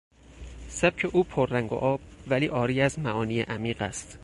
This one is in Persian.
سبک او پر رنگ و آب ولی عاری از معانی عمیق است.